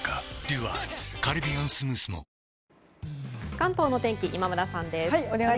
関東の天気今村さんです。